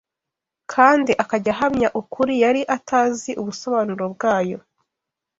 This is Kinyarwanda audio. kandi akajya ahamya ukuri yari atazi ubusobanuro bwayo